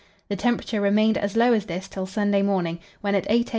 The temperature remained as low as this till Sunday morning, when at 8 a.